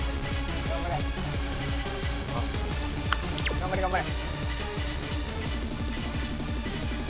頑張れ頑張れ。